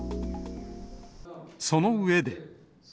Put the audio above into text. その上で。